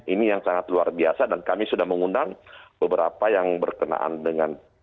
ini yang sangat luar biasa dan kami sudah mengundang beberapa yang berkenaan dengan